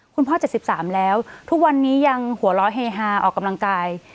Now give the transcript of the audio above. คุณพ่อ๗๓แล้วทุกวันนี้ยังหัวเราะเฮฮาออกกำลังกาย